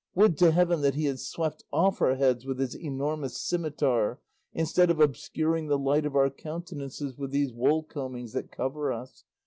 Would to heaven that he had swept off our heads with his enormous scimitar instead of obscuring the light of our countenances with these wool combings that cover us!